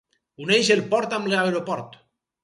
Uneix el port amb l'aeroport.